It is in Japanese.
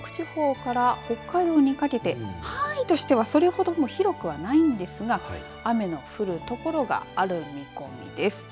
中国四国地方から北海道にかけて範囲としてはそれほど広くはないんですが雨の降るところがある見込みです。